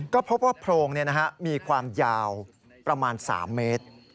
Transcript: ก็พบว่าโพรงมีความยาวประมาณ๓เมตร